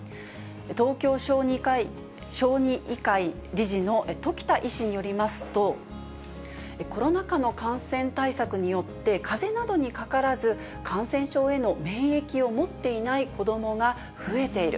東京小児科医会理事の時田医師によりますと、コロナ禍の感染対策によって、かぜなどにかからず、感染症への免疫を持っていない子どもが増えている。